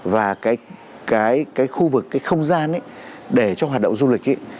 và cái khu vực cái không gian để cho hoạt động du lịch ấy